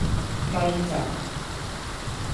雞扎